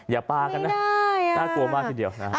อย่าปลากันนะน่ากลัวมากทีเดียวนะฮะ